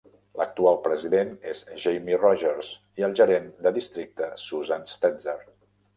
L'actual president és Jamie Rogers i el gerent de districte, Susan Stetzer.